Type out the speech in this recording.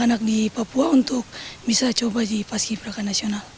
anak di papua untuk bisa coba di paski beraka nasional